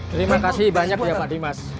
terima kasih banyak ya pak dimas